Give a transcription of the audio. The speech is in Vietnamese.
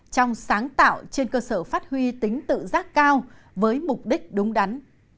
trong sáng tạo trên cơ sở phát huy tính tự giác cao với mục đích đúng đắn